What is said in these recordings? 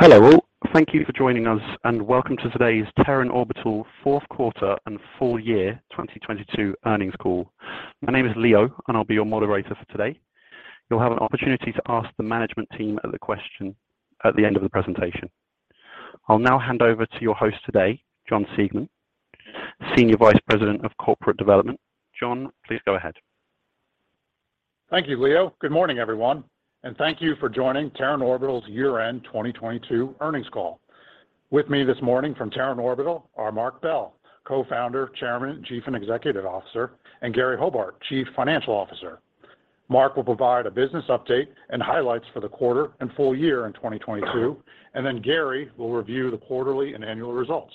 Thank you, Leo. Good morning, everyone, and thank you for joining Terran Orbital's year-end 2022 earnings call. With me this morning from Terran Orbital are Marc Bell, Co-Founder, Chairman, Chief and Executive Officer, and Gary Hobart, Chief Financial Officer. Marc will provide a business update and highlights for the quarter and full year in 2022, and then Gary will review the quarterly and annual results.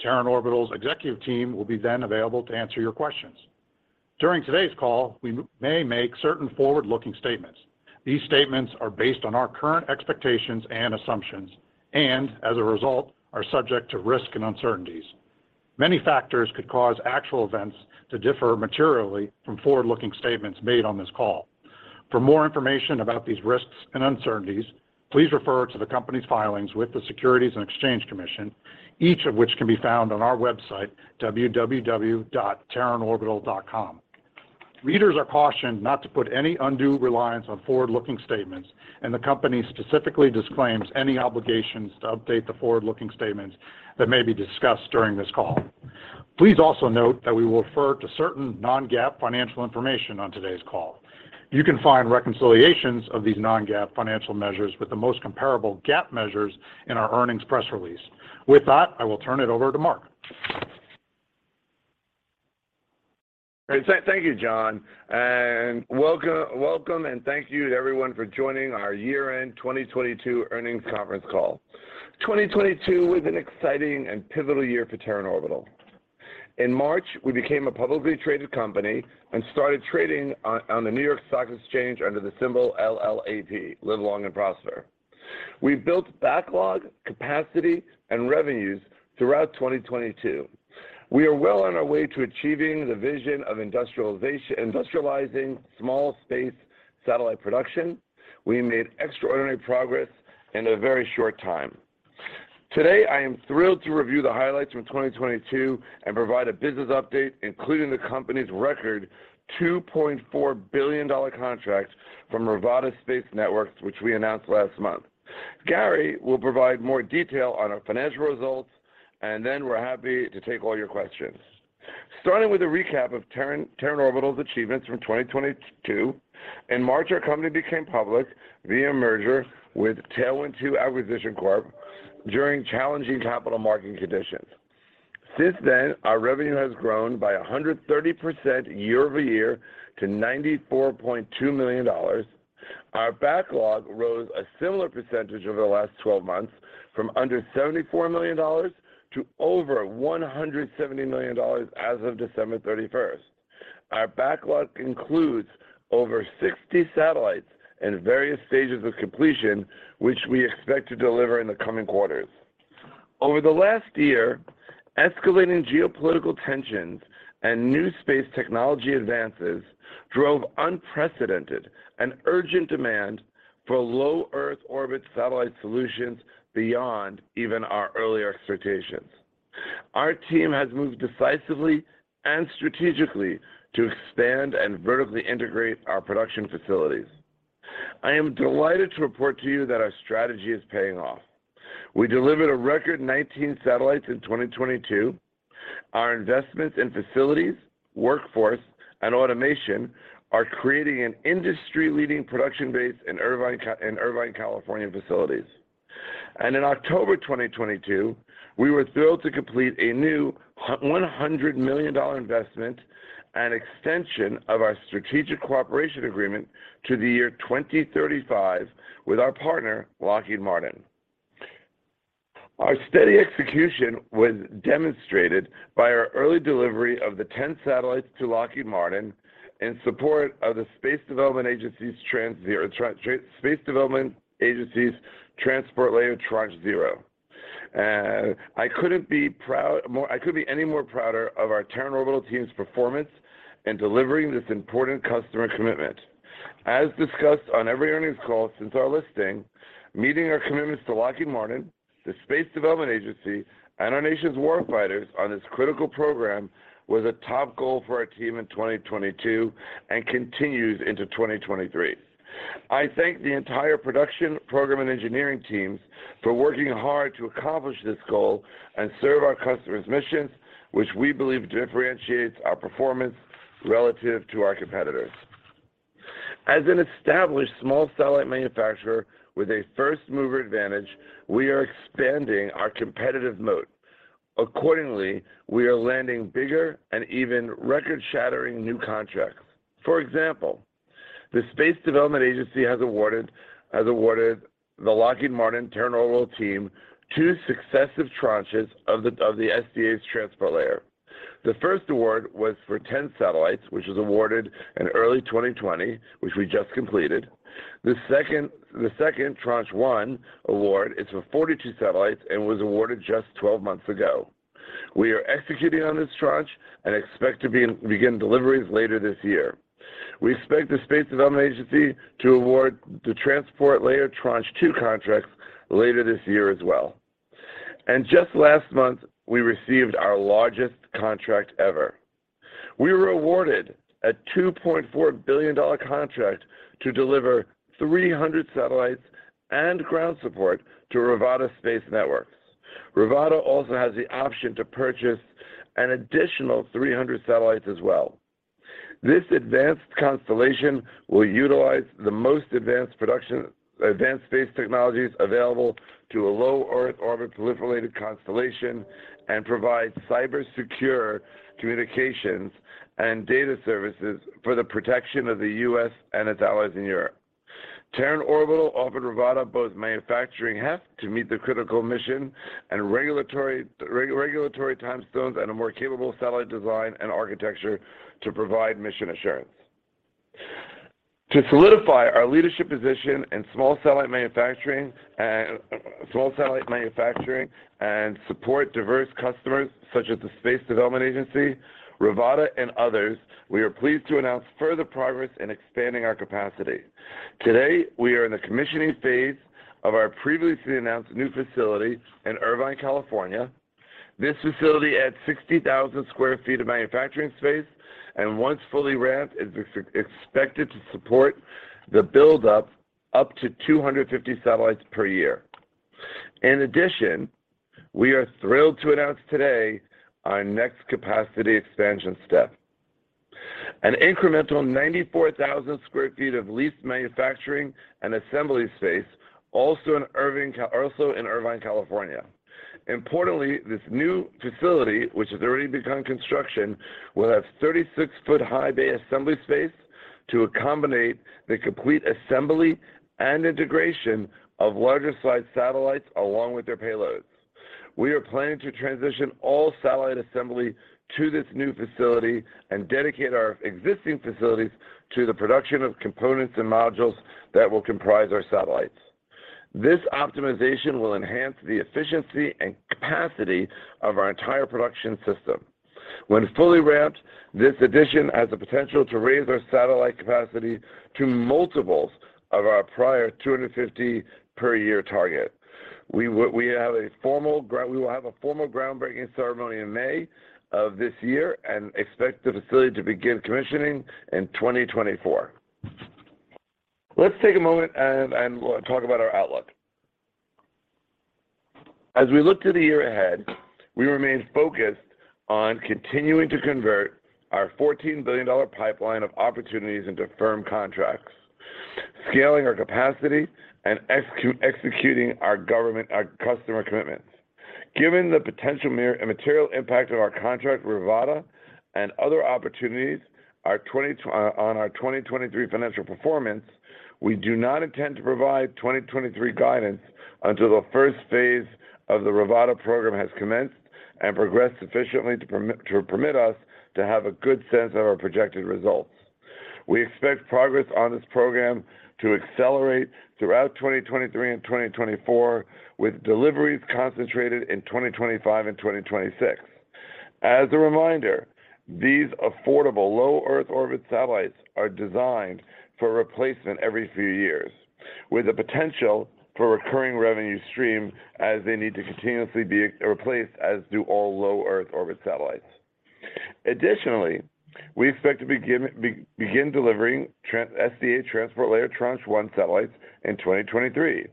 Terran Orbital's executive team will be then available to answer your questions. During today's call, we may make certain forward-looking statements. These statements are based on our current expectations and assumptions and, as a result, are subject to risks and uncertainties. Many factors could cause actual events to differ materially from forward-looking statements made on this call. For more information about these risks and uncertainties, please refer to the company's filings with the Securities and Exchange Commission, each of which can be found on our website, www.terranorbital.com. Readers are cautioned not to put any undue reliance on forward-looking statements, and the company specifically disclaims any obligations to update the forward-looking statements that may be discussed during this call. Please also note that we will refer to certain non-GAAP financial information on today's call. You can find reconciliations of these non-GAAP financial measures with the most comparable GAAP measures in our earnings press release. With that, I will turn it over to Marc. Great. Thank you, John. Welcome and thank you to everyone for joining our year-end 2022 earnings conference call. 2022 was an exciting and pivotal year for Terran Orbital. In March, we became a publicly traded company and started trading on the New York Stock Exchange under the symbol LLAP, live long and prosper. We built backlog, capacity, and revenues throughout 2022. We are well on our way to achieving the vision of industrializing small space satellite production. We made extraordinary progress in a very short time. Today, I am thrilled to review the highlights from 2022 and provide a business update, including the company's record $2.4 billion contract from Rivada Space Networks, which we announced last month. Gary will provide more detail on our financial results. Then we're happy to take all your questions. Starting with a recap of Terran Orbital's achievements from 2022. In March, our company became public via merger with Tailwind Two Acquisition Corp during challenging capital market conditions. Since then, our revenue has grown by 130% year-over-year to $94.2 million. Our backlog rose a similar percentage over the last 12 months from under $74 million to over $170 million as of December 31st. Our backlog includes over 60 satellites in various stages of completion, which we expect to deliver in the coming quarters. Over the last year, escalating geopolitical tensions and new space technology advances drove unprecedented and urgent demand for low Earth orbit satellite solutions beyond even our earlier expectations. Our team has moved decisively and strategically to expand and vertically integrate our production facilities. I am delighted to report to you that our strategy is paying off. We delivered a record 19 satellites in 2022. Our investments in facilities, workforce, and automation are creating an industry-leading production base in Irvine, California facilities. In October 2022, we were thrilled to complete a new $100 million investment and extension of our strategic cooperation agreement to the year 2035 with our partner, Lockheed Martin. Our steady execution was demonstrated by our early delivery of the 10 satellites to Lockheed Martin in support of the Space Development Agency's Transport Layer Tranche 0. I couldn't be any prouder of our Terran Orbital team's performance in delivering this important customer commitment. As discussed on every earnings call since our listing, meeting our commitments to Lockheed Martin, the Space Development Agency, and our nation's war fighters on this critical program was a top goal for our team in 2022 and continues into 2023. I thank the entire production program and engineering teams for working hard to accomplish this goal and serve our customers' missions, which we believe differentiates our performance relative to our competitors. As an established small satellite manufacturer with a first-mover advantage, we are expanding our competitive moat. Accordingly, we are landing bigger and even record-shattering new contracts. For example, the Space Development Agency has awarded the Lockheed Martin Terran Orbital team two successive tranches of the SDA's Transport Layer. The first award was for 10 satellites, which was awarded in early 2020, which we just completed. The second Tranche 1 award is for 42 satellites and was awarded just twelve months ago. We are executing on this tranche and expect to begin deliveries later this year. We expect the Space Development Agency to award the Transport Layer Tranche 2 contracts later this year as well. Just last month, we received our largest contract ever. We were awarded a $2.4 billion contract to deliver 300 satellites and ground support to Rivada Space Networks. Rivada also has the option to purchase an additional 300 satellites as well. This advanced constellation will utilize the most advanced space technologies available to a low-Earth-orbit proliferated constellation and provide cyber-secure communications and data services for the protection of the U.S. and its allies in Europe. Terran Orbital offered Rivada both manufacturing heft to meet the critical mission and regulatory timestones, and a more capable satellite design and architecture to provide mission assurance. To solidify our leadership position in small satellite manufacturing and support diverse customers such as the Space Development Agency, Rivada and others, we are pleased to announce further progress in expanding our capacity. Today, we are in the commissioning phase of our previously announced new facility in Irvine, California. This facility adds 60,000 sq.ft of manufacturing space and once fully ramped, is expected to support the build-up up to 250 satellites per year. We are thrilled to announce today our next capacity expansion step. An incremental 94,000 sq ft of leased manufacturing and assembly space, also in Irvine, California. Importantly, this new facility, which has already begun construction, will have 36-foot-high bay assembly space to accommodate the complete assembly and integration of larger-sized satellites along with their payloads. We are planning to transition all satellite assembly to this new facility and dedicate our existing facilities to the production of components and modules that will comprise our satellites. This optimization will enhance the efficiency and capacity of our entire production system. When fully ramped, this addition has the potential to raise our satellite capacity to multiples of our prior 250 per year target. We will have a formal groundbreaking ceremony in May of this year and expect the facility to begin commissioning in 2024. Let's take a moment and talk about our outlook. As we look to the year ahead, we remain focused on continuing to convert our $14 billion pipeline of opportunities into firm contracts, scaling our capacity, and executing our customer commitments. Given the potential material impact of our contract with Rivada and other opportunities, on our 2023 financial performance, we do not intend to provide 2023 guidance until the first phase of the Rivada program has commenced and progressed sufficiently to permit us to have a good sense of our projected results. We expect progress on this program to accelerate throughout 2023 and 2024, with deliveries concentrated in 2025 and 2026. As a reminder, these affordable low Earth orbit satellites are designed for replacement every few years, with the potential for recurring revenue stream as they need to continuously be replaced, as do all low Earth orbit satellites. Additionally, we expect to begin delivering SDA Transport Layer Tranche 1 satellites in 2023.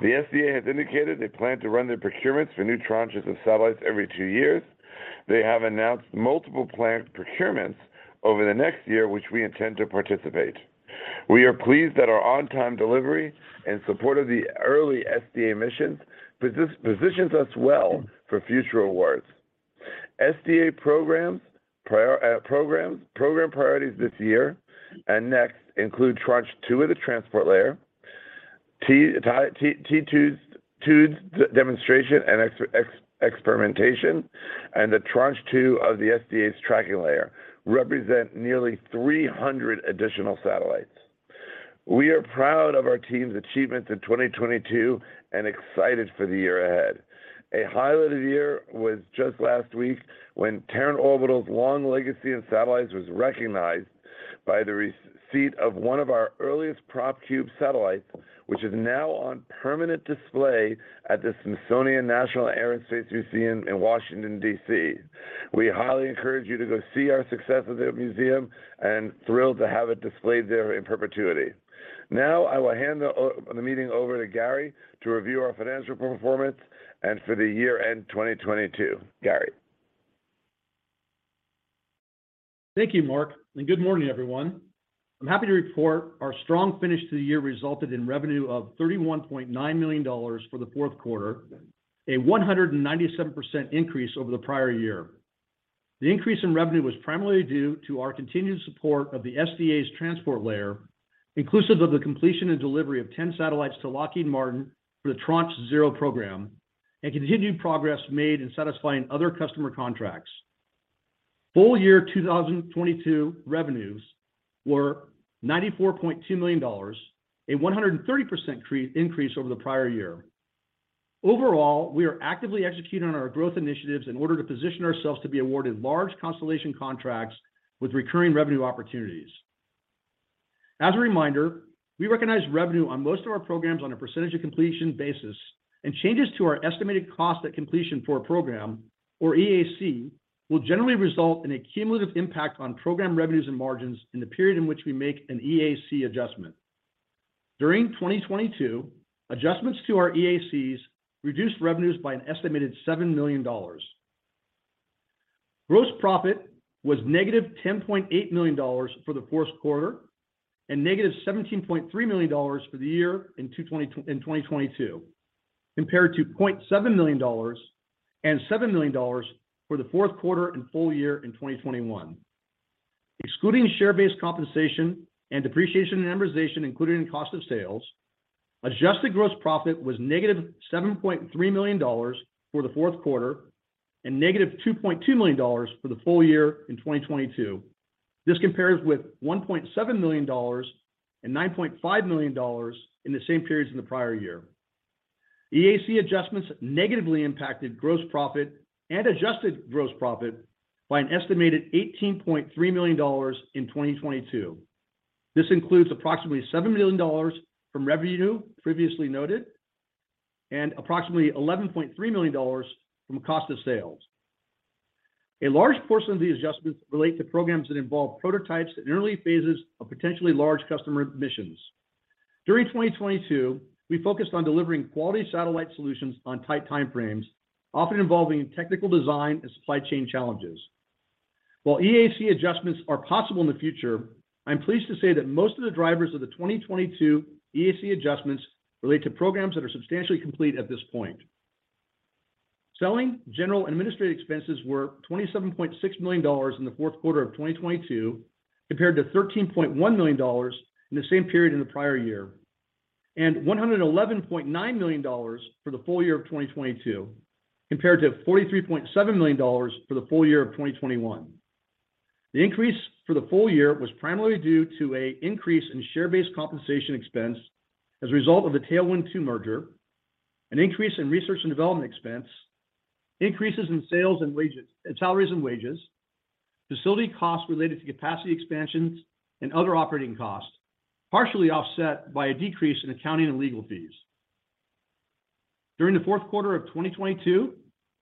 The SDA has indicated they plan to run their procurements for new tranches of satellites every 2 years. They have announced multiple planned procurements over the next year, which we intend to participate. We are pleased that our on-time delivery in support of the early SDA missions positions us well for future awards. SDA programs, program priorities this year and next include Tranche 2 of the Transport Layer, T2's demonstration and experimentation, and the Tranche 2 of the SDA's Tracking Layer represent nearly 300 additional satellites. We are proud of our team's achievements in 2022. Excited for the year ahead. A highlight of the year was just last week when Terran Orbital's long legacy of satellites was recognized by the receipt of one of our earliest PropCube satellites, which is now on permanent display at the Smithsonian National Air and Space Museum in Washington, D.C. We highly encourage you to go see our success at the museum. Thrilled to have it displayed there in perpetuity. Now, I will hand the meeting over to Gary to review our financial performance and for the year-end 2022. Gary. Thank you, Marc. Good morning, everyone. I'm happy to report our strong finish to the year resulted in revenue of $31.9 million for the fourth quarter, a 197% increase over the prior year. The increase in revenue was primarily due to our continued support of the SDA's Transport Layer, inclusive of the completion and delivery of 10 satellites to Lockheed Martin for the Tranche 0 program and continued progress made in satisfying other customer contracts. Full year 2022 revenues were $94.2 million, a 130% increase over the prior year. Overall, we are actively executing on our growth initiatives in order to position ourselves to be awarded large constellation contracts with recurring revenue opportunities. As a reminder, we recognize revenue on most of our programs on a percentage of completion basis, changes to our estimated cost at completion for a program, or EAC, will generally result in a cumulative impact on program revenues and margins in the period in which we make an EAC adjustment. During 2022, adjustments to our EACs reduced revenues by an estimated $7 million. Gross profit was negative $10.8 million for the fourth quarter and negative $17.3 million for the year in 2022, compared to $0.7 million and $7 million for the fourth quarter and full year in 2021. Excluding share-based compensation and depreciation and amortization included in cost of sales, adjusted gross profit was negative $7.3 million for the fourth quarter and negative $2.2 million for the full year in 2022. This compares with $1.7 million and $9.5 million in the same periods in the prior year. EAC adjustments negatively impacted gross profit and adjusted gross profit by an estimated $18.3 million in 2022. This includes approximately $7 million from revenue previously noted and approximately $11.3 million from cost of sales. A large portion of the adjustments relate to programs that involve prototypes in early phases of potentially large customer missions. During 2022, we focused on delivering quality satellite solutions on tight time frames, often involving technical design and supply chain challenges. While EAC adjustments are possible in the future, I'm pleased to say that most of the drivers of the 2022 EAC adjustments relate to programs that are substantially complete at this point. Selling, general, and administrative expenses were $27.6 million in the fourth quarter of 2022, compared to $13.1 million in the same period in the prior year, and $111.9 million for the full year of 2022, compared to $43.7 million for the full year of 2021. The increase for the full year was primarily due to a increase in share-based compensation expense as a result of the Tailwind II merger, an increase in research and development expense, increases in salaries and wages, facility costs related to capacity expansions, and other operating costs, partially offset by a decrease in accounting and legal fees. During the fourth quarter of 2022,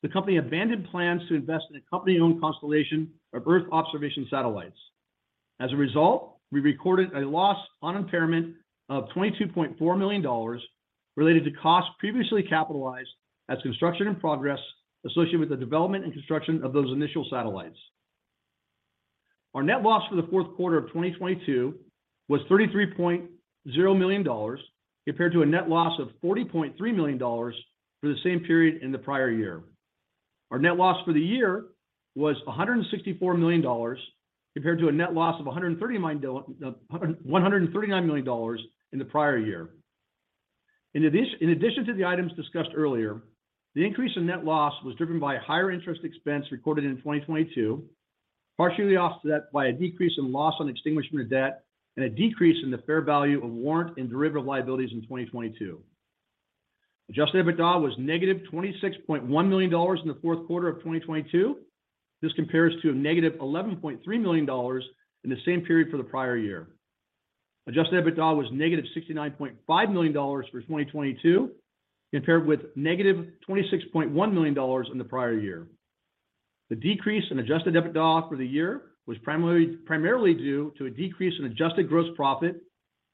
the company abandoned plans to invest in a company-owned constellation of Earth observation satellites. As a result, we recorded a loss on impairment of $22.4 million related to costs previously capitalized as construction in progress associated with the development and construction of those initial satellites. Our net loss for the fourth quarter of 2022 was $33.0 million, compared to a net loss of $40.3 million for the same period in the prior year. Our net loss for the year was $164 million, compared to a net loss of $139 million in the prior year. In addition to the items discussed earlier, the increase in net loss was driven by a higher interest expense recorded in 2022, partially offset by a decrease in loss on extinguishment of debt and a decrease in the fair value of warrant and derivative liabilities in 2022. Adjusted EBITDA was negative $26.1 million in the fourth quarter of 2022. This compares to a negative $11.3 million in the same period for the prior year. Adjusted EBITDA was negative $69.5 million for 2022, compared with negative $26.1 million in the prior year. The decrease in adjusted EBITDA for the year was primarily due to a decrease in adjusted gross profit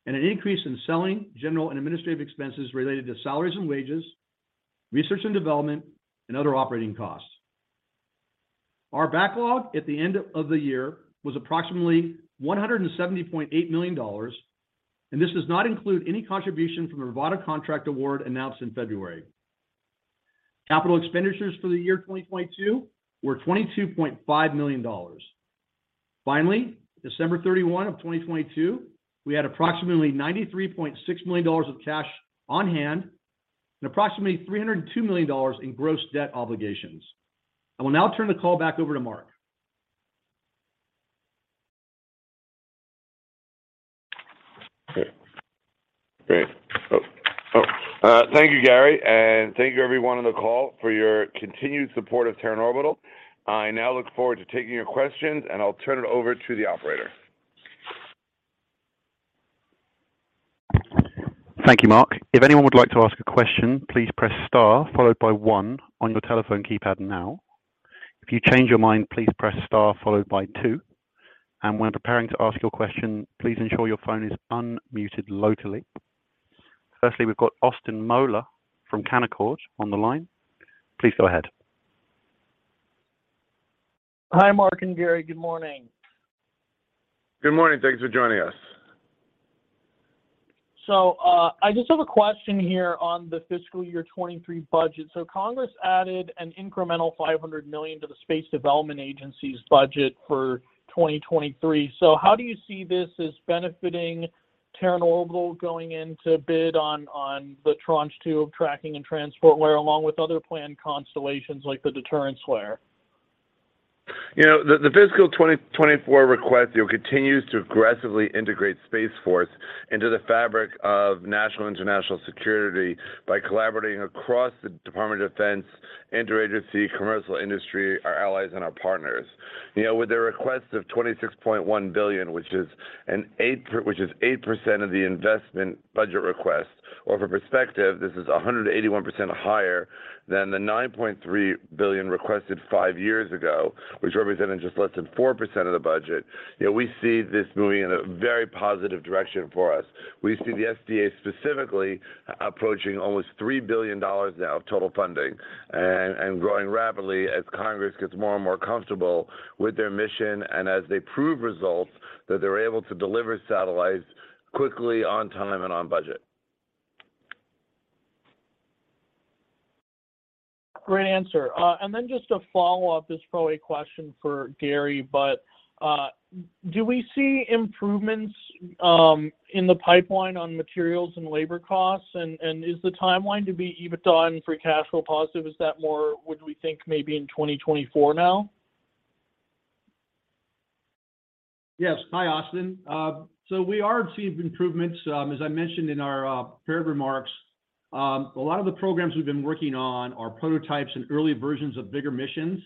and an increase in selling, general, and administrative expenses related to salaries and wages, research and development, and other operating costs. Our backlog at the end of the year was approximately $170.8 million, and this does not include any contribution from the Rivada contract award announced in February. Capital expenditures for the year 2022 were $22.5 million. Finally, December 31 of 2022, we had approximately $93.6 million of cash on hand and approximately $302 million in gross debt obligations. I will now turn the call back over to Marc. Great. Thank you, Gary. Thank you everyone on the call for your continued support of Terran Orbital. I now look forward to taking your questions. I'll turn it over to the operator. Hi, Marc and Gary. Good morning. Good morning. Thanks for joining us. I just have a question here on the fiscal year 23 budget. Congress added an incremental $500 million to the Space Development Agency's budget for 2023. How do you see this as benefiting Terran Orbital going in to bid on the Tranche 2 of Tracking and Transport Layer along with other planned constellations like the Deterrence Layer? You know, the fiscal 2024 request, you know, continues to aggressively integrate Space Force into the fabric of national, international security by collaborating across the Department of Defense, interagency, commercial industry, our allies, and our partners. You know, with a request of $26.1 billion, which is 8% of the investment budget request. For perspective, this is 181% higher than the $9.3 billion requested 5 years ago, which represented just less than 4% of the budget. You know, we see this moving in a very positive direction for us. We see the SDA specifically approaching almost $3 billion now of total funding and growing rapidly as Congress gets more and more comfortable with their mission and as they prove results that they're able to deliver satellites quickly, on time, and on budget. Great answer. Then just a follow-up. This is probably a question for Gary, but do we see improvements in the pipeline on materials and labor costs? Is the timeline to be EBITDA and free cash flow positive, is that more would we think maybe in 2024 now? Yes. Hi, Austin. We are seeing improvements. As I mentioned in our prepared remarks, a lot of the programs we've been working on are prototypes and early versions of bigger missions.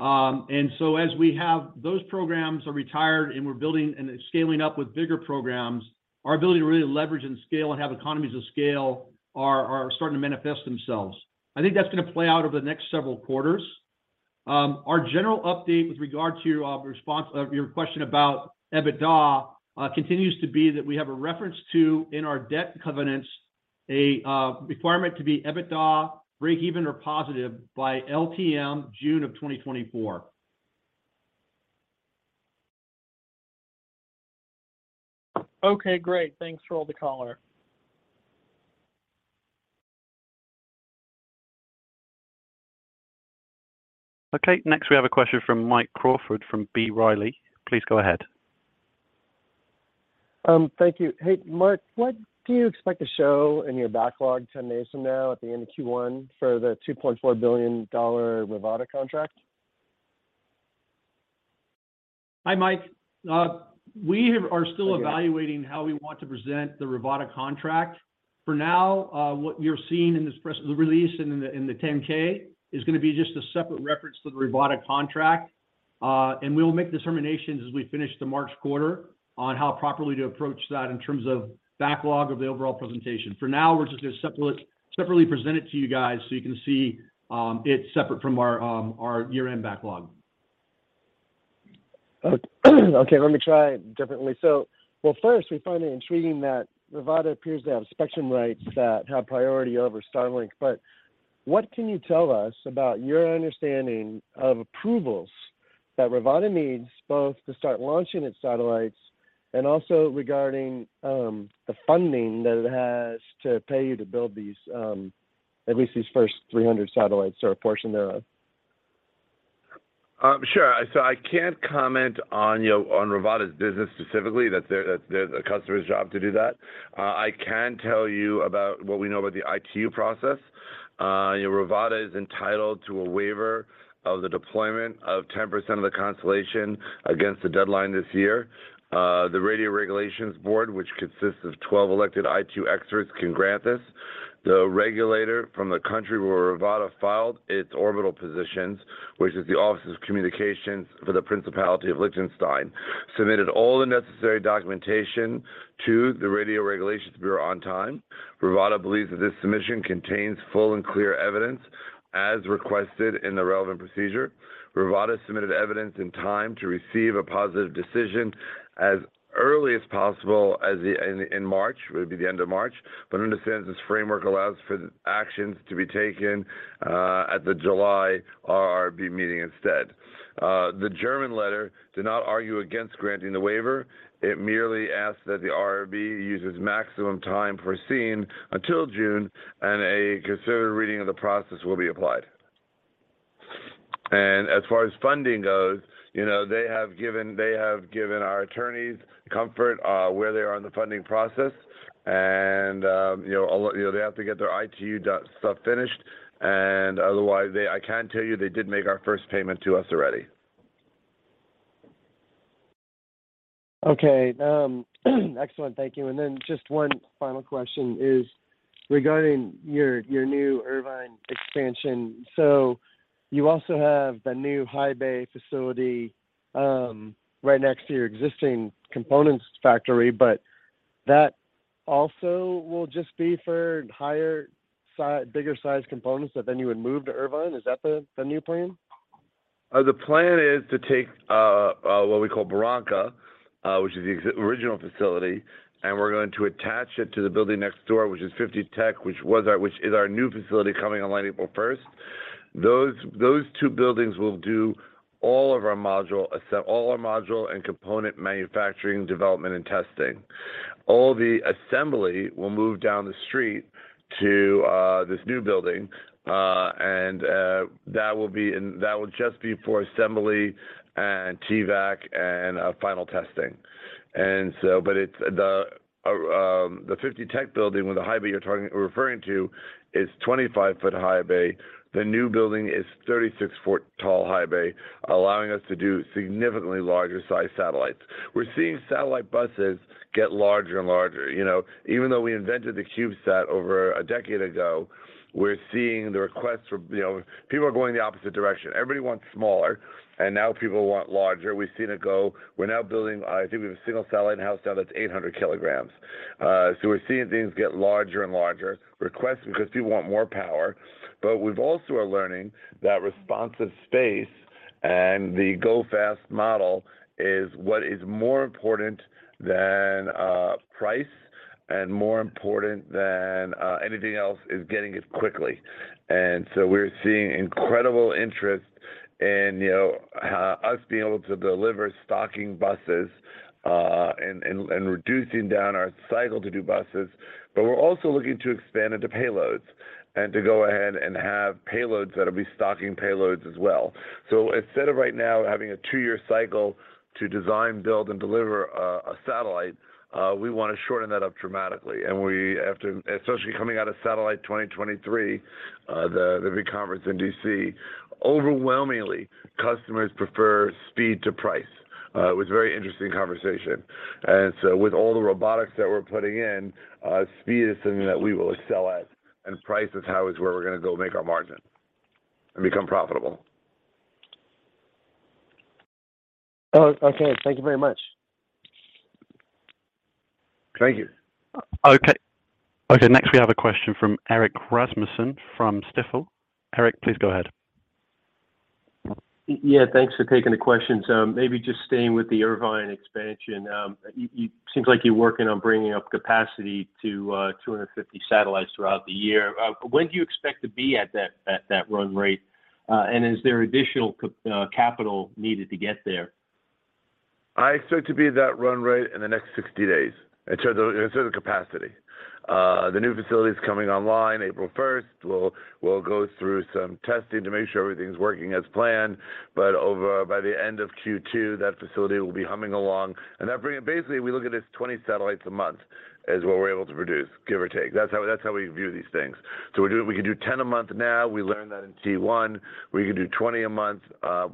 As we have those programs are retired and we're building and scaling up with bigger programs, our ability to really leverage and scale and have economies of scale are starting to manifest themselves. I think that's gonna play out over the next several quarters. Our general update with regard to your question about EBITDA continues to be that we have a reference to in our debt covenants a requirement to be EBITDA breakeven or positive by LTM June of 2024. Okay, great. Thanks for all the color. Thank you. Hey, Marc, what do you expect to show in your backlog 10 days from now at the end of Q1 for the $2.4 billion Rivada contract? Hi, Mike. We are still evaluating how we want to present the Rivada contract. For now, what you're seeing in this press release in the 10-K is gonna be just a separate reference to the Rivada contract. We'll make determinations as we finish the March quarter on how properly to approach that in terms of backlog of the overall presentation. For now, we're just gonna separately present it to you guys so you can see it separate from our year-end backlog. Okay. Okay, let me try differently. Well, first we find it intriguing that Rivada appears to have spectrum rights that have priority over Starlink. What can you tell us about your understanding of approvals that Rivada needs both to start launching its satellites and also regarding the funding that it has to pay you to build these, at least these first 300 satellites or a portion thereof? Sure. I can't comment on, you know, on Rivada's business specifically. That's a customer's job to do that. I can tell you about what we know about the ITU process. You know, Rivada is entitled to a waiver of the deployment of 10% of the constellation against the deadline this year. The Radio Regulations Board, which consists of 12 elected ITU experts, can grant this. The regulator from the country where Rivada filed its orbital positions, which is the Office of Communications for the Principality of Liechtenstein, submitted all the necessary documentation to the Radiocommunication Bureau on time. Rivada believes that this submission contains full and clear evidence as requested in the relevant procedure. Rivada submitted evidence in time to receive a positive decision as early as possible as the end, in March. It would be the end of March. Understands this framework allows for the actions to be taken, at the July RRB meeting instead. The German letter did not argue against granting the waiver. It merely asked that the RRB uses maximum time foreseen until June and a considered reading of the process will be applied. As far as funding goes, you know, they have given our attorneys comfort, where they are in the funding process. You know, they have to get their ITU doc stuff finished and otherwise I can tell you they did make our first payment to us already. Excellent. Thank you. Just one final question is regarding your new Irvine expansion. You also have the new high bay facility right next to your existing components factory, but that also will just be for higher bigger sized components that then you would move to Irvine. Is that the new plan? The plan is to take what we call Barranca, which is the original facility, and we're going to attach it to the building next door which is Fifty Tech, which is our new facility coming online April 1st. Those two buildings will do all of our module and component manufacturing, development, and testing. All the assembly will move down the street to this new building, and that will just be for assembly and TVAC and final testing. The Fifty tech building with the high bay you're referring to is 25-foot high bay. The new building is 36-foot tall high bay, allowing us to do significantly larger sized satellites. We're seeing satellite buses get larger and larger. You know, even though we invented the CubeSat over a decade ago, we're seeing the requests for. People are going the opposite direction. Everybody wants smaller, and now people want larger. We've seen it go. We're now building, I think we have a single satellite in-house now that's 800 kilograms. We're seeing things get larger and larger. Requests, because people want more power. We've also are learning that responsive space and the go fast model is what is more important than price and more important than anything else is getting it quickly. We're seeing incredible interest in, you know, us being able to deliver stocking buses and reducing down our cycle to do buses. We're also looking to expand into payloads and to go ahead and have payloads that'll be stocking payloads as well. Instead of right now having a two-year cycle to design, build, and deliver a satellite, we wanna shorten that up dramatically. After Especially coming out of SATELLITE 2023, the big conference in D.C., overwhelmingly customers prefer speed to price. It was a very interesting conversation. With all the robotics that we're putting in, speed is something that we will excel at, and price is how, is where we're gonna go make our margin and become profitable. Oh, okay. Thank you very much. Thank you. Yeah, thanks for taking the question. Maybe just staying with the Irvine expansion, seems like you're working on bringing up capacity to 250 satellites throughout the year. When do you expect to be at that run rate? Is there additional capital needed to get there? I expect to be at that run rate in the next 60 days in terms of capacity. The new facility's coming online April 1st. We'll go through some testing to make sure everything's working as planned. Over by the end of Q2, that facility will be humming along. Basically, we look at it as 20 satellites a month is what we're able to produce, give or take. That's how we view these things. We can do 10 a month now. We learned that in T1. We can do 20 a month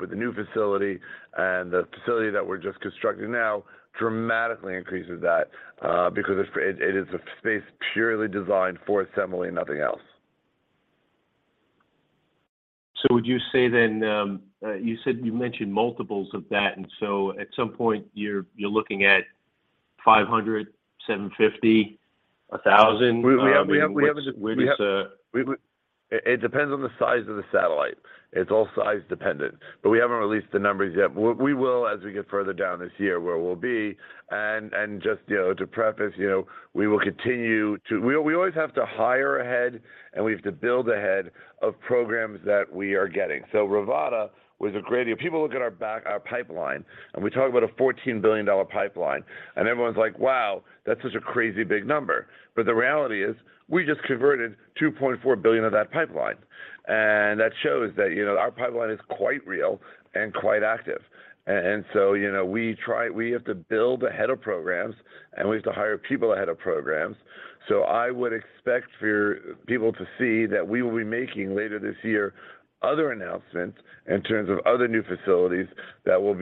with the new facility. The facility that we're just constructing now dramatically increases that because it is a space purely designed for assembly and nothing else. Would you say then, you mentioned multiples of that, and so at some point you're looking at 500, 750, 1,000? I mean, which is. It depends on the size of the satellite. It's all size dependent. We haven't released the numbers yet. We will as we get further down this year where we'll be. Just, you know, to preface, you know, we will continue to. We always have to hire ahead, and we have to build ahead of programs that we are getting. Rivada was a great example. People look at our pipeline, and we talk about a $14 billion pipeline, and everyone's like, "Wow, that's such a crazy big number." The reality is we just converted $2.4 billion of that pipeline. That shows that, you know, our pipeline is quite real and quite active. You know, we have to build ahead of programs, and we have to hire people ahead of programs. I would expect for people to see that we will be making later this year other announcements in terms of other new facilities that will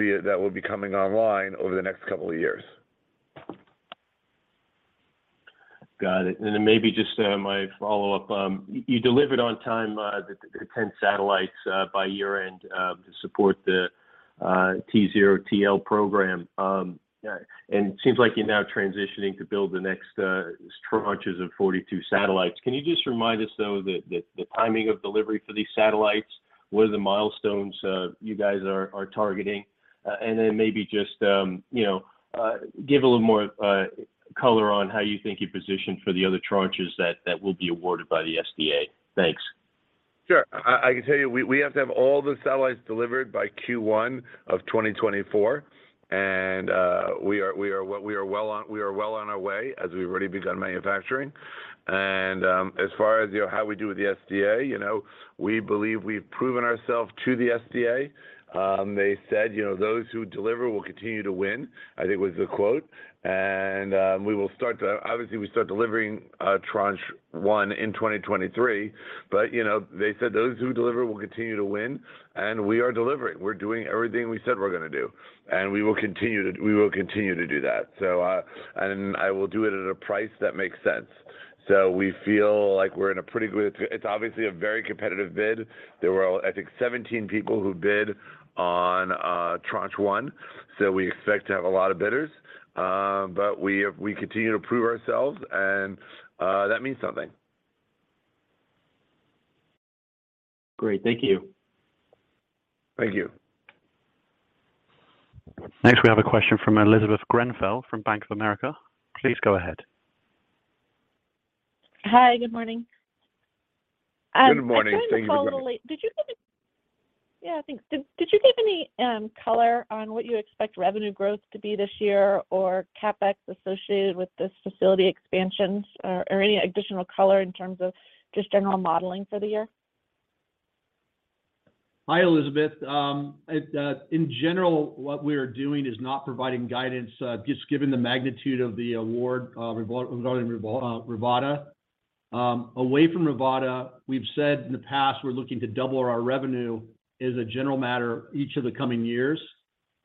be coming online over the next couple of years. Got it. Maybe just, my follow-up. You delivered on time, the 10 satellites by year-end, to support the T0TL program. It seems like you're now transitioning to build the next tranches of 42 satellites. Can you just remind us, though, the timing of delivery for these satellites? What are the milestones you guys are targeting? Maybe just, you know, give a little more color on how you think you're positioned for the other tranches that will be awarded by the SDA. Thanks. Sure. I can tell you we have to have all the satellites delivered by Q1 of 2024, we are well on our way as we've already begun manufacturing. As far as, you know, how we do with the SDA, you know, we believe we've proven ourself to the SDA. They said, you know, "Those who deliver will continue to win," I think was the quote. We will start to. Obviously, we start delivering Tranche 1 in 2023, but, you know, they said, "Those who deliver will continue to win," and we are delivering. We're doing everything we said we're gonna do, and we will continue to do that. I will do it at a price that makes sense. It's obviously a very competitive bid. There were, I think, 17 people who bid on Tranche 1, so we expect to have a lot of bidders. We continue to prove ourselves, and that means something. Great. Thank you. Thank you. Hi, good morning. Good morning. Thank you. I joined the call a little late. Yeah, thanks. Did you give any color on what you expect revenue growth to be this year or CapEx associated with this facility expansions or any additional color in terms of just general modeling for the year? Hi, Elizabeth. In general, what we are doing is not providing guidance, just given the magnitude of the award, regarding Rivada. Away from Rivada, we've said in the past we're looking to double our revenue as a general matter each of the coming years.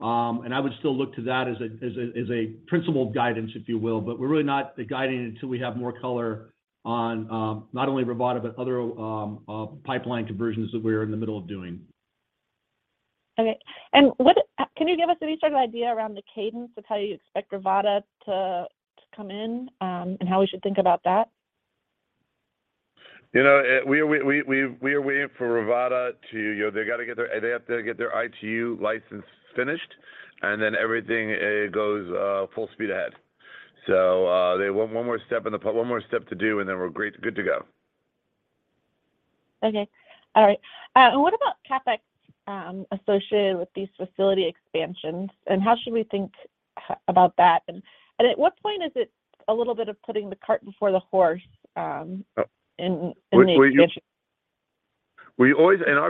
I would still look to that as a principle guidance, if you will. We're really not guiding until we have more color on, not only Rivada but other pipeline conversions that we're in the middle of doing. Okay. Can you give us any sort of idea around the cadence of how you expect Rivada to come in, and how we should think about that? You know, we are waiting for Rivada. You know, they gotta get their ITU license finished, everything goes full speed ahead. One more step to do, we're good to go. Okay. All right. What about CapEx, associated with these facility expansions, and how should we think about that? At what point is it a little bit of putting the cart before the horse, in the expansion? In our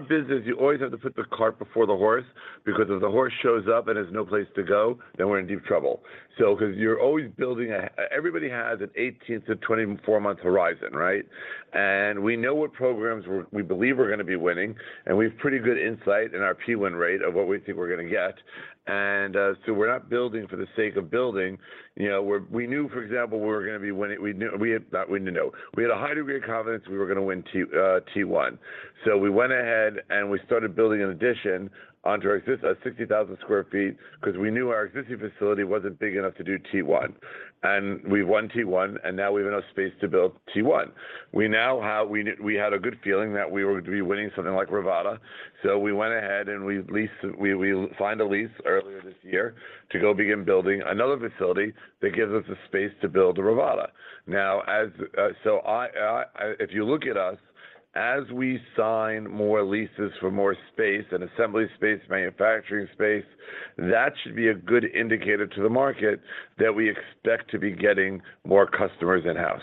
business, you always have to put the cart before the horse because if the horse shows up and there's no place to go, then we're in deep trouble. 'Cause you're always building everybody has an 18 to 24 month horizon, right? We know what programs we believe we're gonna be winning, and we've pretty good insight in our p-win rate of what we think we're gonna get. We're not building for the sake of building. You know, we knew, for example, we were gonna be winning. We had a high degree of confidence we were gonna win Tranche 1. We went ahead and we started building an addition onto our 60,000 sq ft 'cause we knew our existing facility wasn't big enough to do T-1. We won T-1, and now we have enough space to build T-1. We had a good feeling that we were going to be winning something like Rivada, so we went ahead and we found a lease earlier this year to go begin building another facility that gives us the space to build the Rivada. If you look at us, as we sign more leases for more space and assembly space, manufacturing space, that should be a good indicator to the market that we expect to be getting more customers in-house.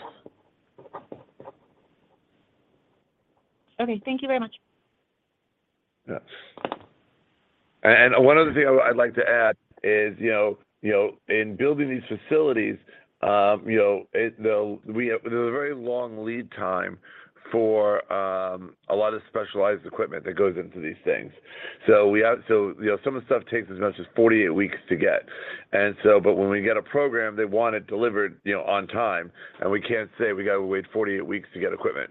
Okay. Thank you very much. Yes. one other thing I'd like to add is, you know, you know, in building these facilities, you know, there's a very long lead time for a lot of specialized equipment that goes into these things. you know, some of the stuff takes as much as 48 weeks to get. when we get a program, they want it delivered, you know, on time, and we can't say we gotta wait 48 weeks to get equipment.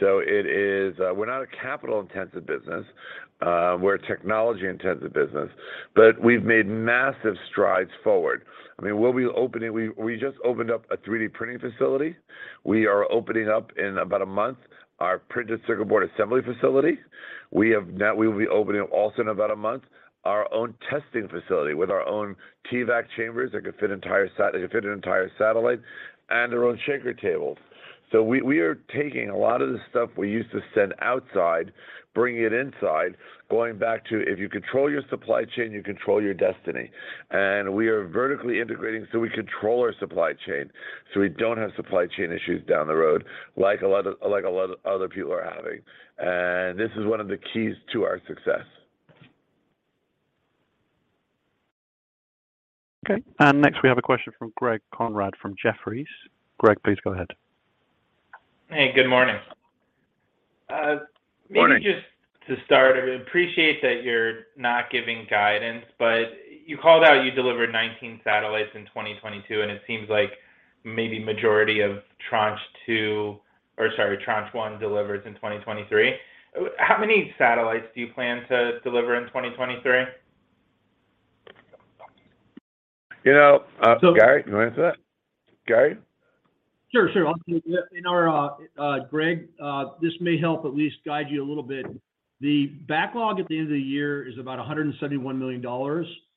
it is, we're not a capital-intensive business. We're a technology-intensive business. we've made massive strides forward. I mean, we just opened up a 3D printing facility. We are opening up in about a month our printed circuit board assembly facility. We will be opening up also in about a month our own testing facility with our own TVAC chambers that can fit an entire satellite and our own shaker tables. We are taking a lot of the stuff we used to send outside, bringing it inside, going back to, if you control your supply chain, you control your destiny. We are vertically integrating so we control our supply chain, so we don't have supply chain issues down the road like a lot of other people are having. This is one of the keys to our success. Hey, good morning. Morning. Maybe just to start, I appreciate that you're not giving guidance, but you called out you delivered 19 satellites in 2022, and it seems like maybe majority of Tranche 2 or, sorry, Tranche 1 delivers in 2023. How many satellites do you plan to deliver in 2023? You know. Gary, you wanna answer that? Gary? Sure, sure. Greg Konrad, this may help at least guide you a little bit. The backlog at the end of the year is about $171 million.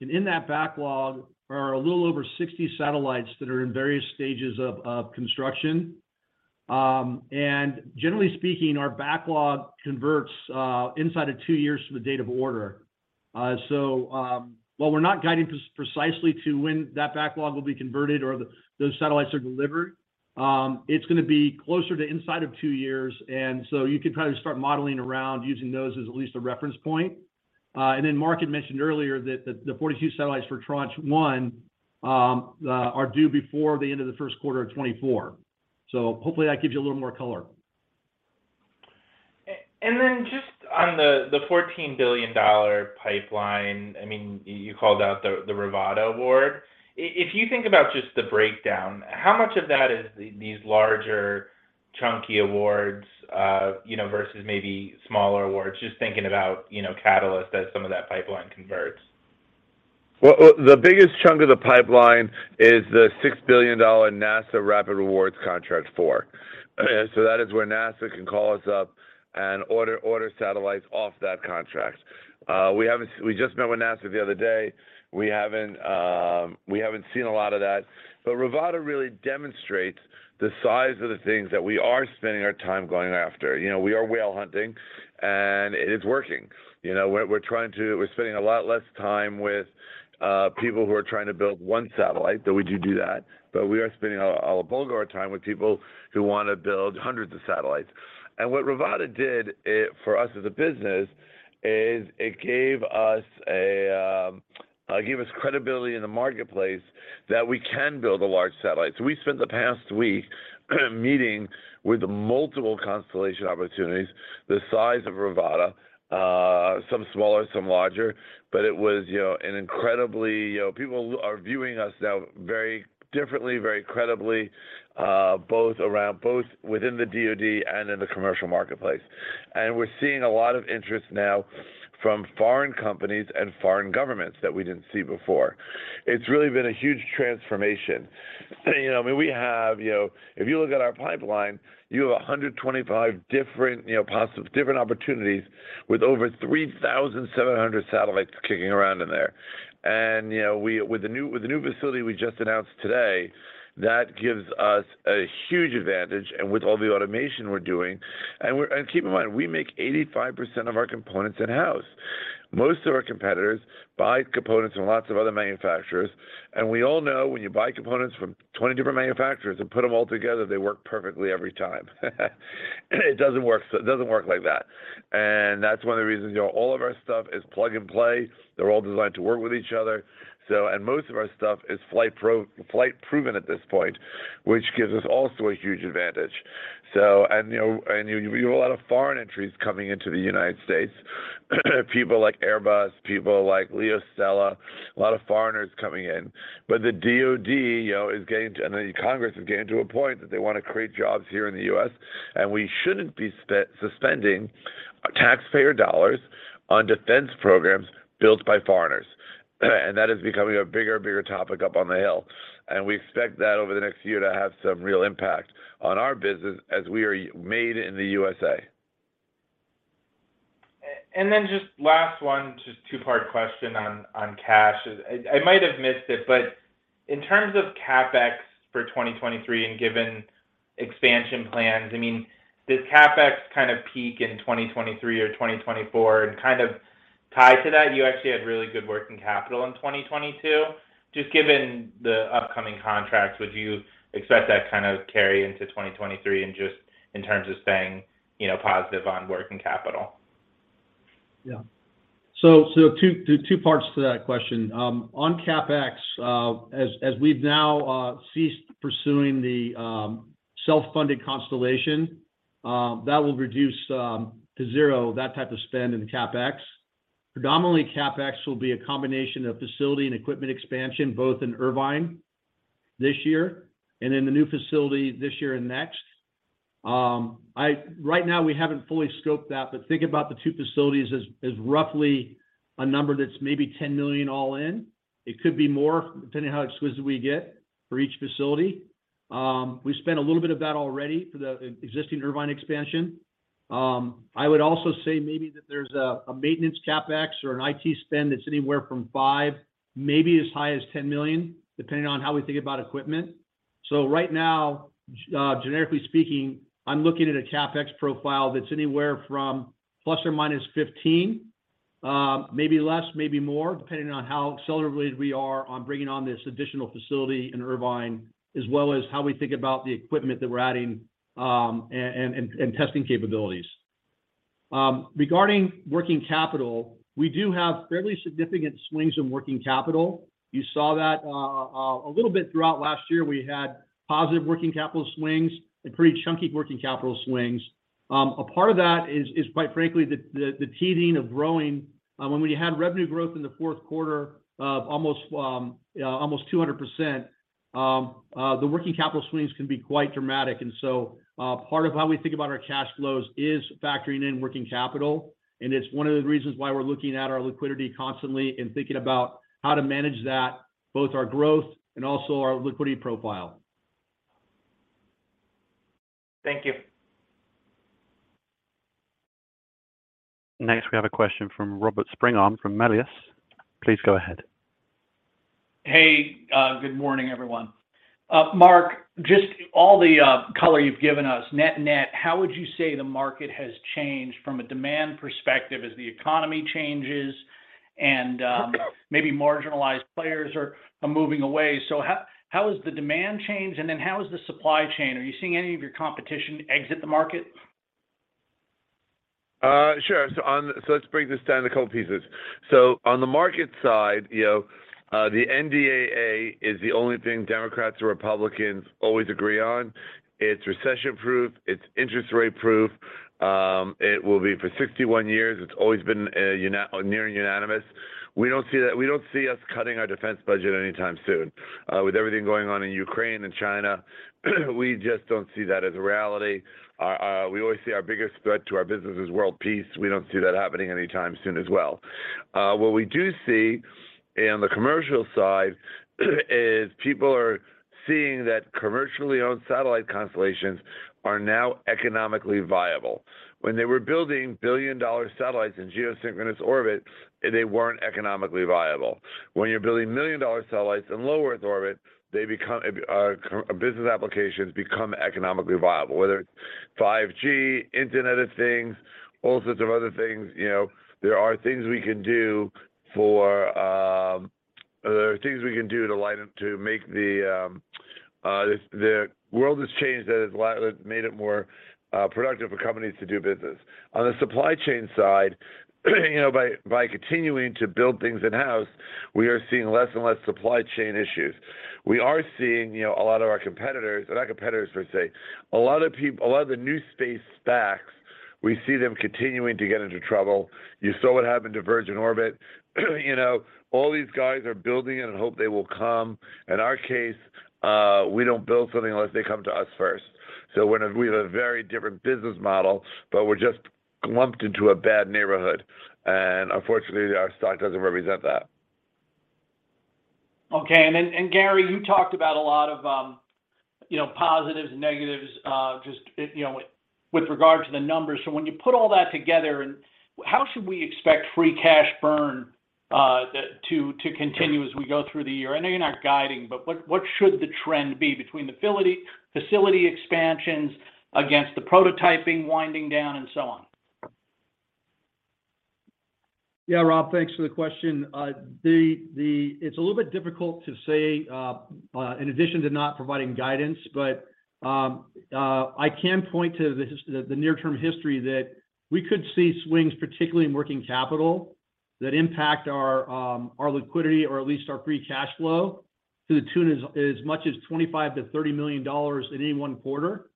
In that backlog are a little over 60 satellites that are in various stages of construction. Generally speaking, our backlog converts inside of 2 years from the date of order. While we're not guiding precisely to when that backlog will be converted or those satellites are delivered, it's gonna be closer to inside of 2 years. You can probably start modeling around using those as at least a reference point. Marc Bell had mentioned earlier that the 42 satellites for Tranche 1 are due before the end of the first quarter of 2024. Hopefully that gives you a little more color. Then just on the $14 billion pipeline, I mean, you called out the Rivada award. If you think about just the breakdown, how much of that is these larger chunky awards, you know, versus maybe smaller awards? Just thinking about, you know, Catalyst as some of that pipeline converts. Well, the biggest chunk of the pipeline is the $6 billion NASA Rapid Spacecraft Acquisition IV. That is where NASA can call us up and order satellites off that contract. We just met with NASA the other day. We haven't seen a lot of that. Rivada really demonstrates the size of the things that we are spending our time going after. You know, we are whale hunting, and it is working. You know, we're spending a lot less time with people who are trying to build one satellite, though we do that, but we are spending a bulk of our time with people who wanna build hundreds of satellites. What Rivada did, for us as a business is it gave us credibility in the marketplace that we can build a large satellite. We spent the past week meeting with multiple constellation opportunities the size of Rivada, some smaller, some larger, but it was, you know, an incredibly, you know, people are viewing us now very differently, very credibly, both within the DoD and in the commercial marketplace. We're seeing a lot of interest now from foreign companies and foreign governments that we didn't see before. It's really been a huge transformation. You know, I mean, we have, you know, if you look at our pipeline, you have 125 different opportunities with over 3,700 satellites kicking around in there. You know, with the new facility we just announced today, that gives us a huge advantage and with all the automation we're doing. Keep in mind, we make 85% of our components in-house. Most of our competitors buy components from lots of other manufacturers, and we all know when you buy components from 20 different manufacturers and put them all together, they work perfectly every time. It doesn't work, it doesn't work like that. That's one of the reasons, you know, all of our stuff is plug and play. They're all designed to work with each other. Most of our stuff is flight proven at this point, which gives us also a huge advantage. You know, and you have a lot of foreign entries coming into the United States, people like Airbus, people like Leonardo, a lot of foreigners coming in. The DoD, you know, is getting to, and the Congress is getting to a point that they wanna create jobs here in the U.S., and we shouldn't be spending taxpayer dollars on defense programs built by foreigners. That is becoming a bigger and bigger topic up on the Hill, and we expect that over the next year to have some real impact on our business as we are made in the U.S.A. Then just last one, just two-part question on cash. I might have missed it, but in terms of CapEx for 2023 and given expansion plans, I mean, does CapEx kind of peak in 2023 or 2024? Kind of tied to that, you actually had really good working capital in 2022. Just given the upcoming contracts, would you expect that kind of carry into 2023 and just in terms of staying, you know, positive on working capital? Two, two parts to that question. On CapEx, as we've now ceased pursuing the self-funded constellation, that will reduce to zero that type of spend in the CapEx. Predominantly, CapEx will be a combination of facility and equipment expansion, both in Irvine this year and in the new facility this year and next. Right now we haven't fully scoped that, but think about the two facilities as roughly a number that's maybe $10 million all in. It could be more depending on how exquisite we get for each facility. We've spent a little bit of that already for the existing Irvine expansion. I would also say maybe that there's a maintenance CapEx or an IT spend that's anywhere from $5 million, maybe as high as $10 million, depending on how we think about equipment. Right now, generically speaking, I'm looking at a CapEx profile that's anywhere from ±$15, maybe less, maybe more, depending on how accelerated we are on bringing on this additional facility in Irvine, as well as how we think about the equipment that we're adding, and testing capabilities. Regarding working capital, we do have fairly significant swings in working capital. You saw that a little bit throughout last year. We had positive working capital swings and pretty chunky working capital swings. A part of that is quite frankly the teething of growing. When we had revenue growth in the fourth quarter of almost 200%, the working capital swings can be quite dramatic. Part of how we think about our cash flows is factoring in working capital, and it's one of the reasons why we're looking at our liquidity constantly and thinking about how to manage that, both our growth and also our liquidity profile. Thank you. Hey, good morning, everyone. Marc, just all the color you've given us, net-net, how would you say the market has changed from a demand perspective as the economy changes and, maybe marginalized players are moving away? How has the demand changed, and then how has the supply chain? Are you seeing any of your competition exit the market? Sure. Let's break this down to couple pieces. On the market side, you know, the NDAA is the only thing Democrats or Republicans always agree on. It's recession-proof, it's interest rate-proof. It will be for 61 years. It's always been near unanimous. We don't see us cutting our defense budget anytime soon. With everything going on in Ukraine and China, we just don't see that as a reality. We always see our biggest threat to our business is world peace. We don't see that happening anytime soon as well. What we do see on the commercial side is people are seeing that commercially owned satellite constellations are now economically viable. When they were building billion-dollar satellites in geosynchronous orbit, they weren't economically viable. When you're building $1 million satellites in low Earth orbit, they become business applications economically viable, whether it's 5G, Internet of Things, all sorts of other things. You know, there are things we can do for or there are things we can do to line up to make the world has changed, that has made it more productive for companies to do business. On the supply chain side, you know, by continuing to build things in-house, we are seeing less and less supply chain issues. We are seeing, you know, a lot of our competitors, not competitors per se, a lot of the new space SPACs, we see them continuing to get into trouble. You saw what happened to Virgin Orbit. You know, all these guys are building it and hope they will come. In our case, we don't build something unless they come to us first. We have a very different business model, but we're just lumped into a bad neighborhood. Unfortunately, our stock doesn't represent that. Gary, you talked about a lot of, you know, positives, negatives, just, you know, with regard to the numbers. When you put all that together and how should we expect free cash burn, to continue as we go through the year? I know you're not guiding, but what should the trend be between the facility expansions against the prototyping winding down and so on? Yeah. Rob, thanks for the question. It's a little bit difficult to say in addition to not providing guidance. I can point to the near-term history that we could see swings, particularly in working capital, that impact our liquidity or at least our free cash flow to the tune as much as $25 million-$30 million in any one quarter.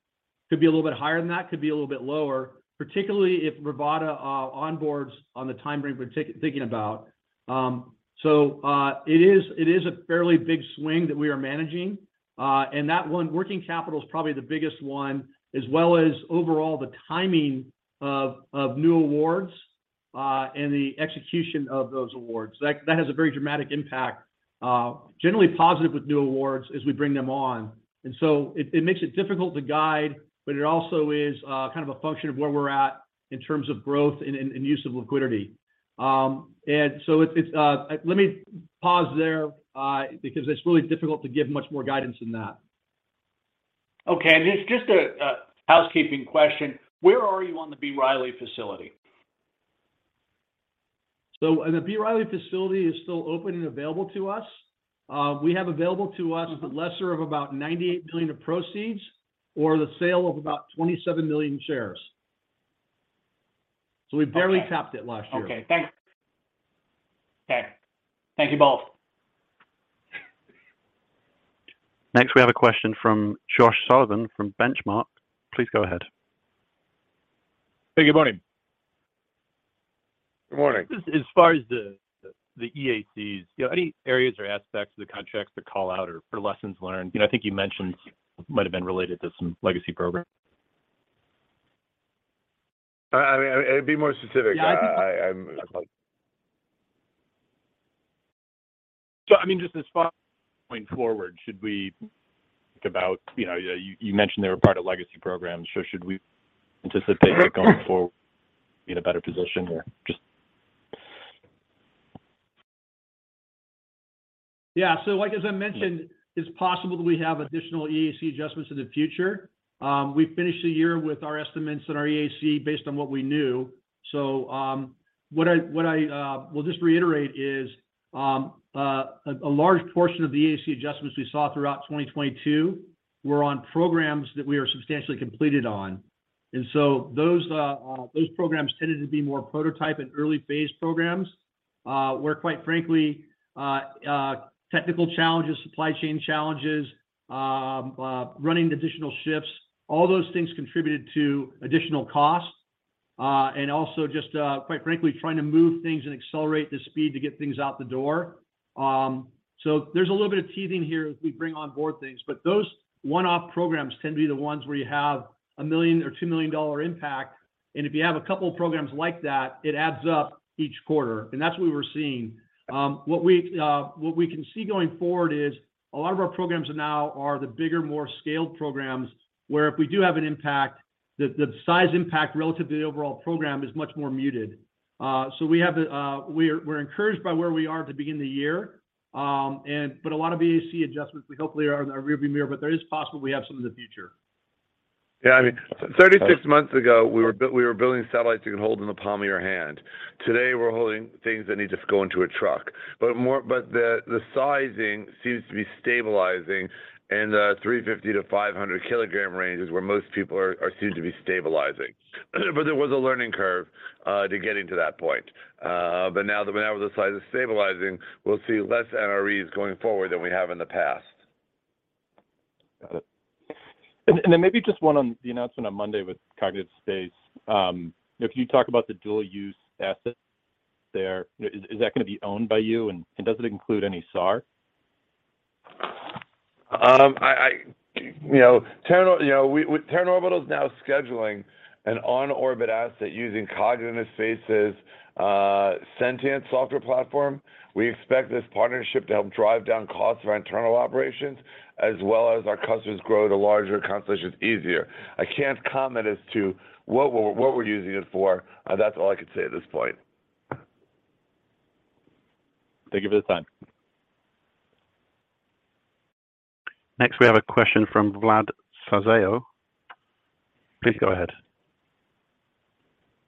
Could be a little bit higher than that, could be a little bit lower, particularly if Rivada onboards on the time frame we're thinking about. It is a fairly big swing that we are managing. That one, working capital is probably the biggest one, as well as overall the timing of new awards and the execution of those awards. That has a very dramatic impact, generally positive with new awards as we bring them on. It makes it difficult to guide, but it also is kind of a function of where we're at in terms of growth and use of liquidity. Let me pause there, because it's really difficult to give much more guidance than that. Okay. Just a housekeeping question. Where are you on the B. Riley facility? The B. Riley facility is still open and available to us. We have available to us the lesser of about $98 million of proceeds or the sale of about 27 million shares. Okay -tapped it last year. Okay. Thanks. Okay. Thank you both. Hey, good morning. Good morning. Just as far as the EACs, you know, any areas or aspects of the contracts to call out or lessons learned? You know, I think you mentioned might have been related to some legacy programs. I’ll be more specific.. Yeah, I think. I'm like... I mean, just as far as going forward, should we think about, you know, you mentioned they were part of legacy programs? Should we anticipate that going forward in a better position or just... Like, as I mentioned, it's possible that we have additional EAC adjustments in the future. We finished the year with our estimates and our EAC based on what we knew. What I will just reiterate is a large portion of the EAC adjustments we saw throughout 2022 were on programs that we are substantially completed on. Those programs tended to be more prototype and early phase programs, where quite frankly, technical challenges, supply chain challenges, running additional shifts, all those things contributed to additional costs. Also just, quite frankly, trying to move things and accelerate the speed to get things out the door. There's a little bit of teething here as we bring on board things, but those one-off programs tend to be the ones where you have a $1 million or $2 million impact. If you have a couple of programs like that, it adds up each quarter. That's what we're seeing. What we, what we can see going forward is a lot of our programs now are the bigger, more scaled programs, where if we do have an impact, the size impact relative to the overall program is much more muted. we’re encouraged by where we are to begin the year. A lot of EAC adjustments we hopefully are rearview mirror, but there is possible we have some in the future. Yeah. I mean, 36 months ago, we were building satellites you can hold in the palm of your hand. Today, we're holding things that need to go into a truck. The sizing seems to be stabilizing in the 350-500 kilogram range is where most people are seem to be stabilizing. There was a learning curve to getting to that point. Now the size is stabilizing, we'll see less EACs going forward than we have in the past. Got it. Then maybe just one on the announcement on Monday with Cognitive Space. You know, can you talk about the dual use asset there? Is that gonna be owned by you? Does it include any SAR? you know, Terran Orbital is now scheduling an on-orbit asset using Cognitive Space, CNTIENT software platform. We expect this partnership to help drive down costs of our internal operations as well as our customers grow to larger constellations easier. I can't comment as to what we're, what we're using it for. That's all I can say at this point. Thank you for the time.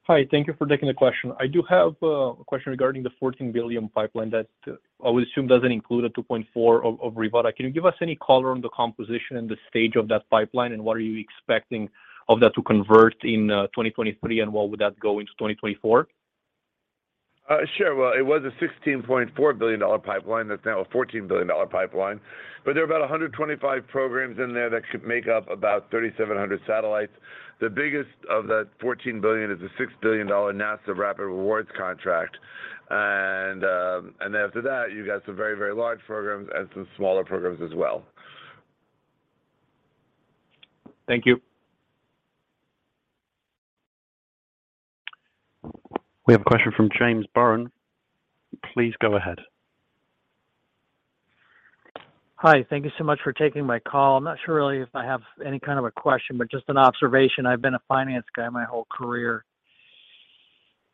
Hi. Thank you for taking the question. I do have a question regarding the $14 billion pipeline that I would assume doesn't include a $2.4 of Rivada. Can you give us any color on the composition and the stage of that pipeline, and what are you expecting of that to convert in 2023, and what would that go into 2024? Sure. Well, it was a $16.4 billion pipeline. That's now a $14 billion pipeline. There are about 125 programs in there that could make up about 3,700 satellites. The biggest of that $14 billion is a $6 billion NASA Rapid IV contract. After that, you got some very, very large programs and some smaller programs as well. Thank you. Hi. Thank you so much for taking my call. I'm not sure really if I have any kind of a question, but just an observation. I've been a finance guy my whole career.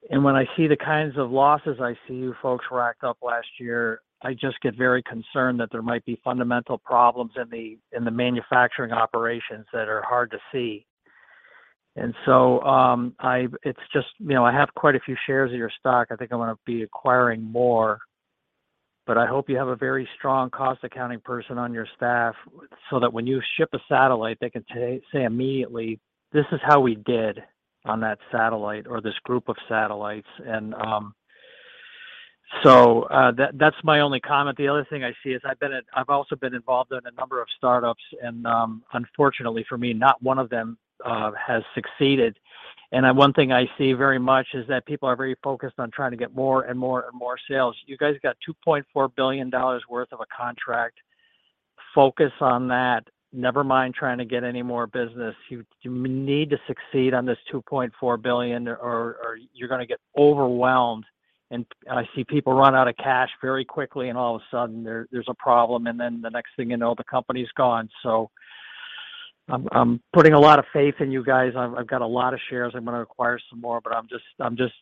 When I see the kinds of losses I see you folks racked up last year, I just get very concerned that there might be fundamental problems in the, in the manufacturing operations that are hard to see. It's just, you know, I have quite a few shares of your stock. I think I'm gonna be acquiring more. I hope you have a very strong cost accounting person on your staff so that when you ship a satellite, they can say immediately, "This is how we did on that satellite or this group of satellites." That, that's my only comment. The only thing I see is I've also been involved in a number of startups, and, unfortunately for me, not one of them, has succeeded. One thing I see very much is that people are very focused on trying to get more and more and more sales. You guys got $2.4 billion worth of a contract. Focus on that. Never mind trying to get any more business. You need to succeed on this $2.4 billion, or you're gonna get overwhelmed. I see people run out of cash very quickly, and all of a sudden there's a problem. The next thing you know, the company's gone. I'm putting a lot of faith in you guys. I've got a lot of shares. I'm gonna acquire some more, but I'm just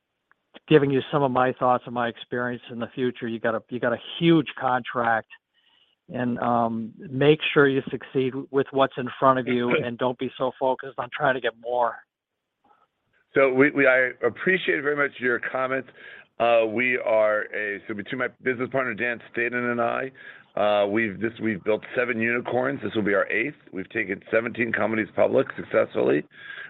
giving you some of my thoughts and my experience in the future. You got a huge contract and make sure you succeed with what's in front of you, and don't be so focused on trying to get more. We I appreciate very much your comments. We are a... between my business partner, Daniel Staton and I, we've just... we've built 7 unicorns. This will be our eighth. We've taken 17 companies public successfully.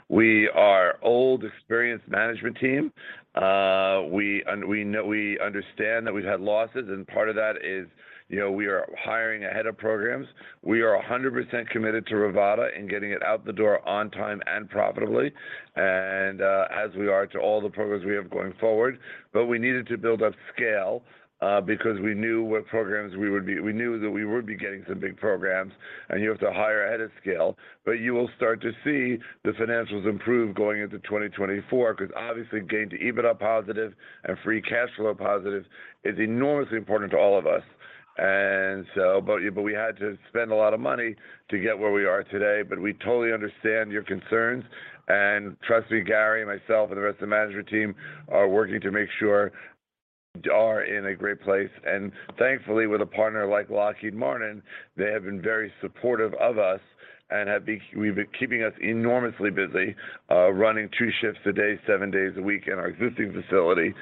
We are old, experienced management team. We understand that we've had losses, and part of that is, you know, we are hiring ahead of programs. We are 100% committed to Rivada and getting it out the door on time and profitably and, as we are to all the programs we have going forward. We needed to build up scale, because we knew what programs we would be... We knew that we would be getting some big programs, and you have to hire ahead of scale. You will start to see the financials improve going into 2024 'cause obviously getting to EBITDA positive and free cash flow positive is enormously important to all of us. We had to spend a lot of money to get where we are today. We totally understand your concerns. Trust me, Gary, myself, and the rest of the management team are working to make sure we are in a great place. Thankfully, with a partner like Lockheed Martin, they have been very supportive of us and have been keeping us enormously busy, running two shifts a day, seven days a week in our existing facility.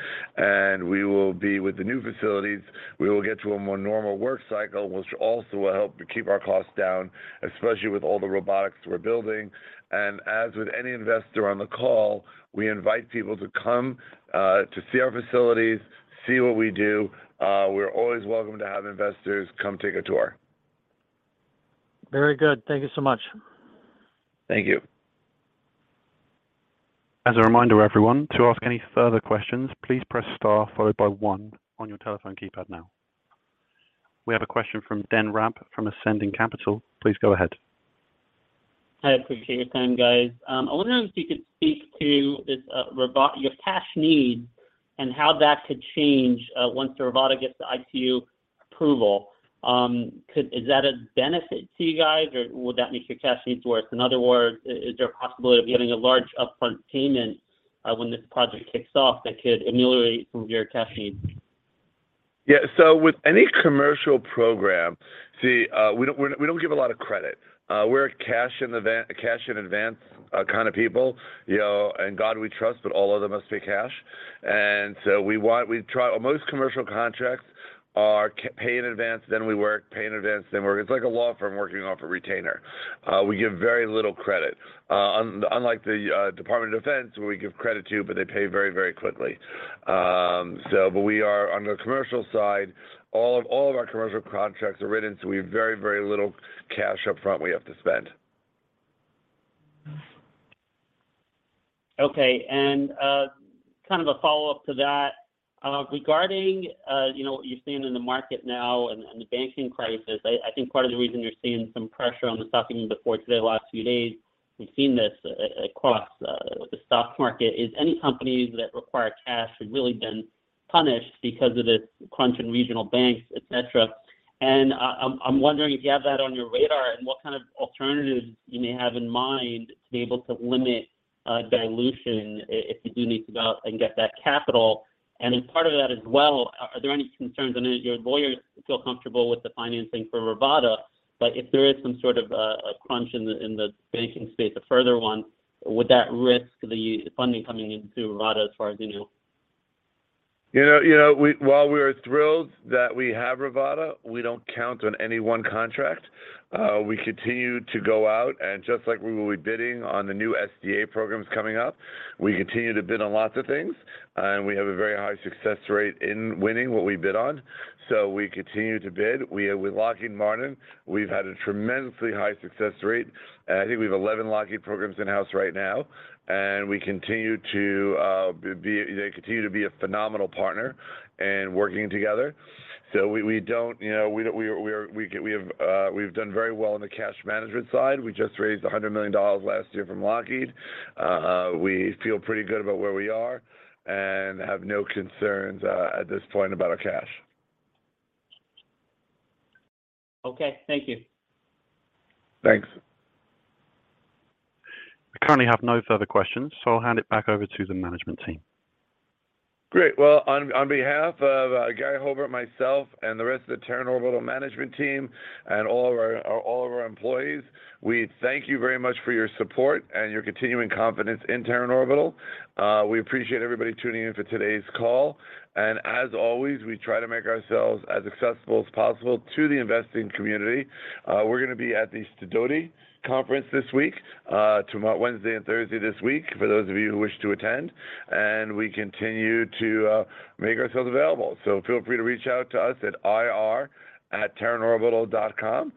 We will be with the new facilities, we will get to a more normal work cycle, which also will help to keep our costs down, especially with all the robotics we're building. As with any investor on the call, we invite people to come to see our facilities, see what we do. We're always welcome to have investors come take a tour. Very good. Thank you so much. Thank you. I appreciate your time, guys. I wonder if you could speak to this Rivada your cash needs and how that could change once the Rivada gets the ITU approval? Is that a benefit to you guys, or would that make your cash needs worse? In other words, is there a possibility of getting a large upfront payment when this project kicks off that could ameliorate some of your cash needs? Yeah. With any commercial program, see, we don't give a lot of credit. We're a cash in advance kind of people. You know, In God we trust, but all others must pay cash. We want... We try... Most commercial contracts are pay in advance, then we work, pay in advance, then work. It's like a law firm working off a retainer. We give very little credit, unlike the Department of Defense, who we give credit to, but they pay very quickly. We are on the commercial side. All of our commercial contracts are written, so we have very, very little cash upfront we have to spend. Okay. kind of a follow-up to that. Regarding, you know, what you're seeing in the market now and the banking crisis, I think part of the reason you're seeing some pressure on the stock even before today, the last few days, we've seen this across the stock market is any companies that require cash have really been punished because of the crunch in regional banks, et cetera. I'm wondering if you have that on your radar and what kind of alternatives you may have in mind to be able to limit dilution if you do need to go out and get that capital. Part of that as well, are there any concerns, I know your lawyers feel comfortable with the financing for Rivada, but if there is some sort of a crunch in the banking space, a further one, would that risk the funding coming into Rivada as far as you know? You know, you know, while we're thrilled that we have Rivada, we don't count on any one contract. We continue to go out and just like we will be bidding on the new SDA programs coming up, we continue to bid on lots of things, and we have a very high success rate in winning what we bid on. We continue to bid. With Lockheed Martin, we've had a tremendously high success rate, and I think we have 11 Lockheed programs in-house right now, and we continue to be. They continue to be a phenomenal partner in working together. We, we don't, you know, we've done very well in the cash management side. We just raised $100 million last year from Lockheed. We feel pretty good about where we are and have no concerns, at this point about our cash. Okay. Thank you. Thanks. Great. Well, on behalf of Gary Hobart, myself, and the rest of the Terran Orbital management team and all of our employees, we thank you very much for your support and your continuing confidence in Terran Orbital. We appreciate everybody tuning in for today's call. As always, we try to make ourselves as accessible as possible to the investing community. We're gonna be at the Sidoti Conference this week, Wednesday and Thursday this week, for those of you who wish to attend. We continue to make ourselves available. Feel free to reach out to us at ir@terranorbital.com.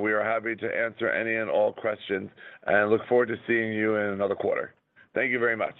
We are happy to answer any and all questions and look forward to seeing you in another quarter. Thank you very much.